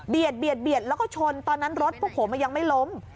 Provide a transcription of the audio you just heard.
เบียดแล้วก็ชนตอนนั้นรถพวกผมยังไม่ล้ม